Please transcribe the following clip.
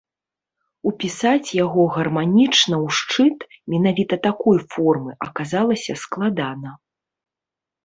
Упісаць яго гарманічна ў шчыт менавіта такой формы аказалася складана.